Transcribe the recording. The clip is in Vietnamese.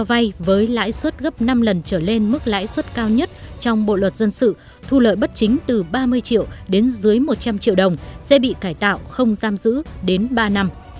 vay với lãi suất gấp năm lần trở lên mức lãi suất cao nhất trong bộ luật dân sự thu lợi bất chính từ ba mươi triệu đến dưới một trăm linh triệu đồng sẽ bị cải tạo không giam giữ đến ba năm